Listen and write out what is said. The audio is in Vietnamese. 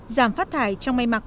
giảm phát thải trong may mắn